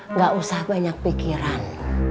nggak usah banyak pikiran